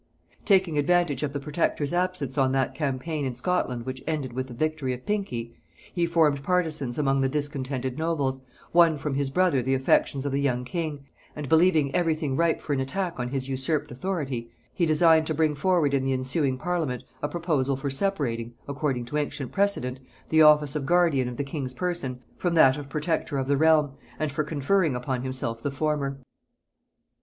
Taking advantage of the protector's absence on that campaign in Scotland which ended with the victory of Pinkey, he formed partisans among the discontented nobles, won from his brother the affections of the young king, and believing every thing ripe for an attack on his usurped authority, he designed to bring forward in the ensuing parliament a proposal for separating, according to ancient precedent, the office of guardian of the king's person from that of protector of the realm, and for conferring upon himself the former.